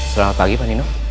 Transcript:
selamat pagi pak nino